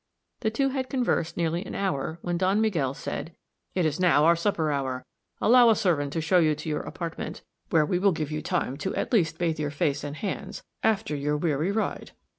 The two had conversed nearly an hour, when Don Miguel said, "It is now our supper hour. Allow a servant to show you to your apartment, where we will give you time to at least bathe your face and hands after your weary ride.